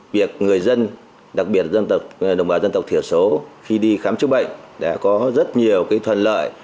việc người dân đặc biệt đồng bào dân tộc thiểu số khi đi khám chữa bệnh đã có rất nhiều thuần lợi